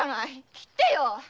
斬ってよ‼